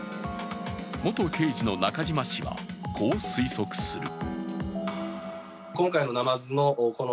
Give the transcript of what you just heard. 元刑事の中島氏は、こう推測する。